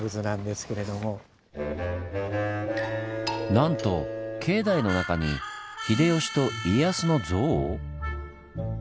なんと境内の中に秀吉と家康の像